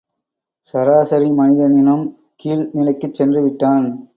சராசரி மனிதனினும் கீழ் நிலைக்குச் சென்று விட்டான்.